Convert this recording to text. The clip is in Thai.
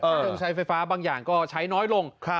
เรื่องใช้ไฟฟ้าบางอย่างก็ใช้น้อยลง